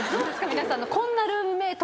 皆さんの。